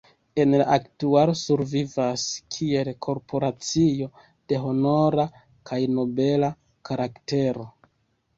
En la aktualo survivas kiel korporacio de honora kaj nobela karaktero.